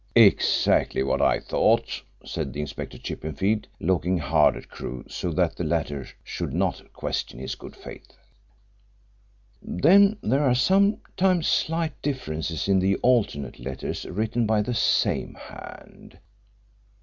"Exactly what I thought," said Inspector Chippenfield, looking hard at Crewe so that the latter should not question his good faith. "Then there are sometimes slight differences in the alternate letters written by the same hand.